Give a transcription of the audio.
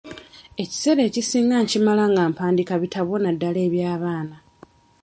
Ekiseera ekisinga nkimala nga mpandiika bitabo naddala eby'abaana.